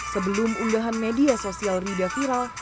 sebelum unggahan media sosial rida viral